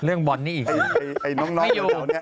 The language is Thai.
เรื่องบอธนี้อีกแล้วที่เอาเหมือนกันเนี่ยไอ้น้องเวลานี้